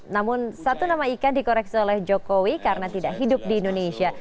namun satu nama ikan dikoreksi oleh jokowi karena tidak hidup di indonesia